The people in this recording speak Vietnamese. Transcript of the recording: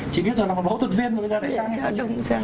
chị biết rồi là một phẫu thuật viên rồi